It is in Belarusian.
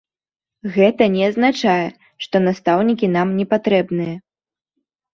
Гэта не азначае, што настаўнікі нам непатрэбныя.